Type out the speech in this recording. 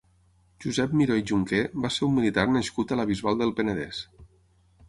Josep Miró i Junqué va ser un militar nascut a la Bisbal del Penedès.